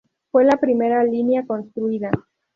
Fue la primera línea construida.